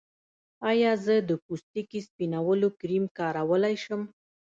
ایا زه د پوستکي سپینولو کریم کارولی شم؟